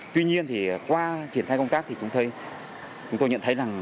tuy nhiên qua triển khai công tác thì chúng tôi nhận thấy là